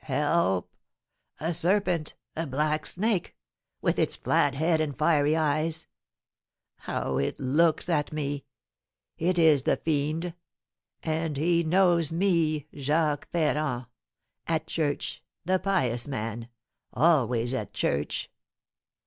Help! A serpent a black snake with its flat head and fiery eyes. How it looks at me! It is the fiend! Ah, he knows me Jacques Ferrand at church the pious man always at church!